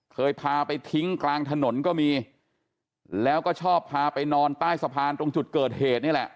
เคยพาไปทิ้งกลางถนนก็มีแล้วก็ชอบพาไปนอนใต้สะพานตรงจุดเกิดเหตุนี่แหละ